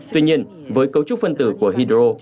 tuy nhiên với cấu trúc phân tử của hydro